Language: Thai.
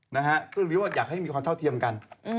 ซึ่งบิ๊วอยากให้มีความเท่าเทียมกัน